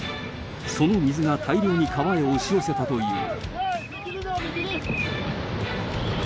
その水が大量に川へ押し寄せたという。